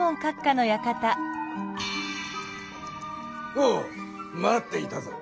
おお待っていたぞ。